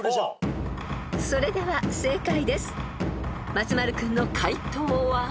［松丸君の解答は？］